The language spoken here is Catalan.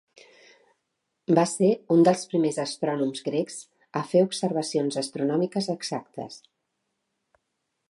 Va ser un dels primers astrònoms grecs a fer observacions astronòmiques exactes.